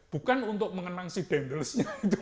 bukan untuk mengenang si dendelsnya